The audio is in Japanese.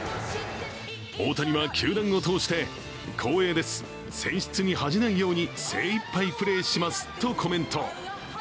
大谷は球団を通して、光栄です、選出に恥じないように精いっぱいプレーしますとコメント。